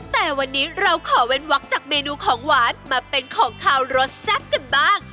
แต่วันนี้เราขอเว้นวักจากเมนูของหวานมาเป็นของขาวรสแซ่บกันบ้าง